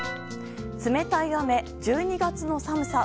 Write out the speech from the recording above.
冷たい雨、１２月の寒さ。